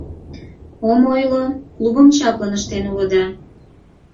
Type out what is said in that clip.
Ом ойло: клубым чаплым ыштен улыда.